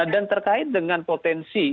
dan terkait dengan potensi